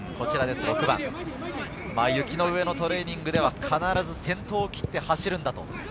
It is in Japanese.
雪の上のトレーニングでは必ず先頭を切って走るんだと。